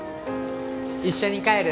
一緒に帰る？